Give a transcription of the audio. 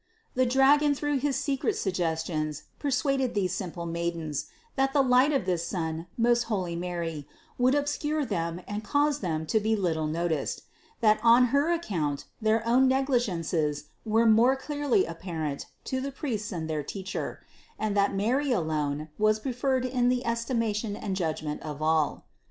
The dragon through his secret suggestions per suaded these simple maidens, that the light of this sun, most holy Mary, would obscure them and cause them to be little noticed; that on her account their own negli gences were more clearly apparent to the priests and their teacher; and that Mary alone was preferred in the esti mation and judgment of all.